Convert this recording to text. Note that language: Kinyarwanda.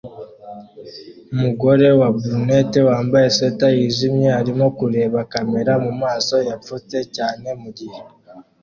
Umugore wa brunette wambaye swater yijimye arimo kureba kamera mumaso yapfutse cyane mugihe